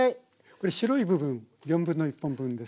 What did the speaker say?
これ白い部分1/4本分ですね。